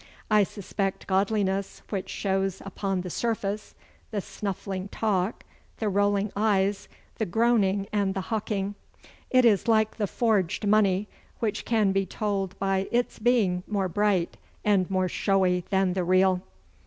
I suspect godliness which shows upon the surface, the snuffling talk, the rolling eyes, the groaning and the hawking. It is like the forged money, which can be told by its being more bright and more showy than the real.